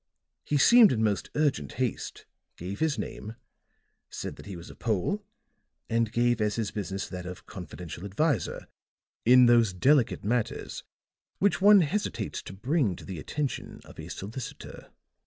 He seemed in most urgent haste, gave his name, said that he was a Pole and gave as his business that of confidential adviser in those delicate matters which one hesitates to bring to the attention of a solicitor.